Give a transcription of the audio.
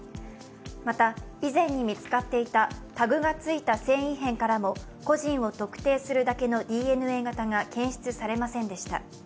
また以前に見つかっていたタグがついた繊維片からも個人を特定するだけのＤＮＡ型が検出されませんでした。